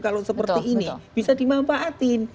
kalau seperti ini bisa dimanfaatin